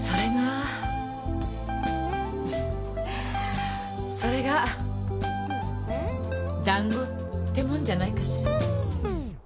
フフそれが団子ってもんじゃないかしら。